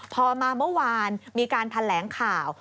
พอมาเมื่อวานมีการแถลงข่าว